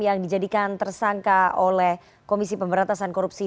yang dijadikan tersangka oleh komisi pemberantasan korupsi